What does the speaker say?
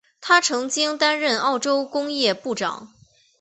他曾经担任澳洲工业部长。